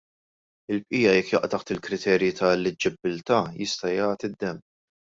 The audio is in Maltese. Il-bqija jekk jaqa' taħt il-kriterji ta' eliġibbiltà jista' jagħti d-demm.